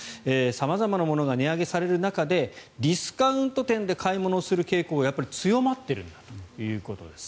様々なものが値上げされる中でディスカウント店で買い物をする傾向が強まっているんだということです。